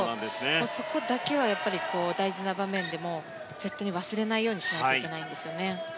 そこだけはやっぱり大事な場面でも絶対に忘れないようにしないといけないんですよね。